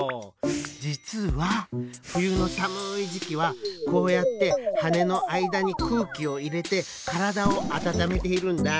じつはふゆのさむいじきはこうやってはねのあいだにくうきをいれてからだをあたためているんだ。